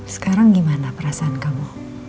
sekarang gimana perasaan kamu